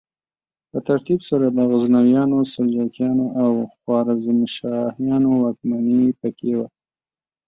په ترتیب سره د غزنویانو، سلجوقیانو او خوارزمشاهیانو واکمني پکې وه.